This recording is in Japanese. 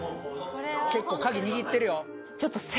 結構鍵握ってるよ